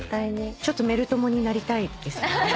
ちょっとメル友になりたいですよね。